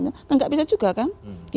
nggak bisa juga kan